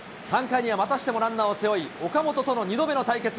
３回にはまたしてもランナーを背負い、岡本との２度目の対決。